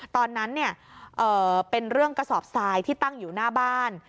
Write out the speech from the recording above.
ตอนนั้นเป็นเรื่องกระสอบทรายที่ตั้งอยู่หน้าบ้าน